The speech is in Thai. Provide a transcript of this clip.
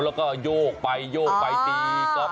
แล้วก็โยกไปโยกไปตีก๊อฟ